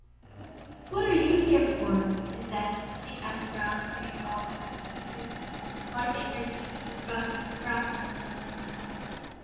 "'What are you here for?' they said, pecking at the round green balls that hung on the tree, and then wiping their beaks in disgust on the grass underneath.